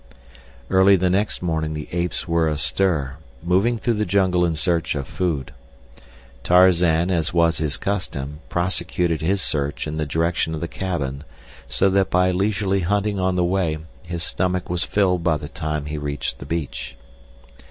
Early the next morning the apes were astir, moving through the jungle in search of food. Tarzan, as was his custom, prosecuted his search in the direction of the cabin so that by leisurely hunting on the way his stomach was filled by the time he reached the beach.